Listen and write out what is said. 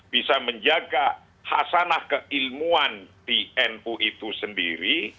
bisa menjaga hasanah keilmuan di nu itu sendiri